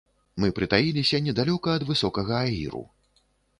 Мы прытаіліся недалёка ад высокага аіру.